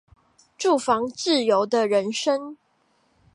住房自由的人生